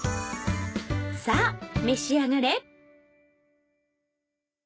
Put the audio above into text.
さあ召し上がれ！